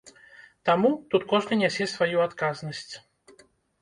Таму, тут кожны нясе сваю адказнасць.